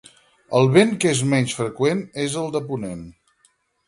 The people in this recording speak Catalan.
El vent que és menys freqüent és el de ponent.